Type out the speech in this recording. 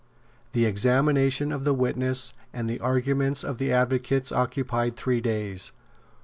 The examination of the witnesses and the arguments of the advocates occupied three days.